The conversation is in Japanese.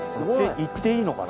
行っていいのかな？